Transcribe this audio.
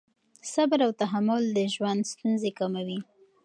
صبر او تحمل د ژوند ستونزې کموي.